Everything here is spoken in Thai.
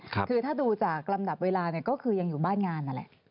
คือถ้าดูจากลำดับเวลาก็คือยังอยู่บ้านงาน